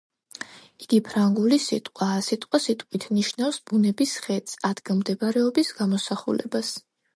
იგი ფრანგული სიტყვაა, სიტყვასიტყვით ნიშნავს ბუნების ხედს, ადგილმდებარეობის გამოსახულებას.